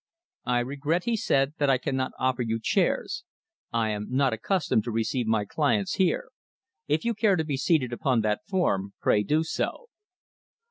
"I regret," he said, "that I cannot offer you chairs. I am not accustomed to receive my clients here. If you care to be seated upon that form, pray do so."